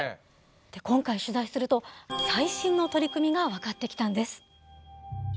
今回取材すると最新の取り組みが分かってきたんです。